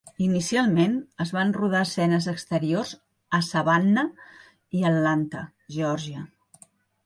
Inicialment, es van rodar escenes exteriors a Savannah i a Atlanta, Geòrgia.